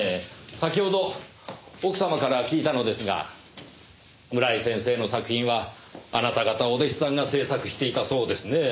先ほど奥様から聞いたのですが村井先生の作品はあなた方お弟子さんが制作していたそうですねぇ。